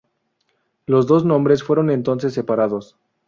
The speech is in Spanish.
Los dos nombres fueron entonces separados.